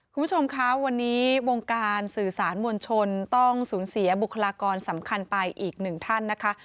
คุณผู้ชมคะวันนี้วงการสื่อสารมวลชนต้องสูญเสียบุคลากรสำคัญไปอีกหนึ่งท่านนะคะ